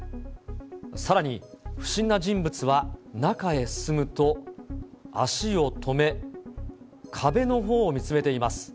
さらに、不審な人物は中へ進むと、足を止め、壁のほうを見つめています。